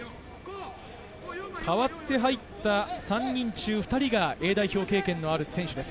代わって入った３人中２人がＡ代表経験のある選手です。